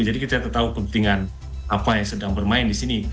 jadi kita tidak tahu kepentingan apa yang sedang bermain di sini